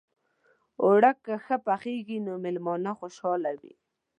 اوړه که ښه پخېږي، نو میلمانه خوشحاله وي